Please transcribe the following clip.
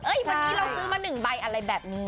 วันนี้เราซื้อมา๑ใบอะไรแบบนี้